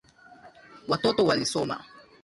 Watoto walisoma.